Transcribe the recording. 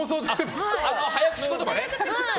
早口言葉ね。